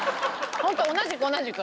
ホント同じく同じく。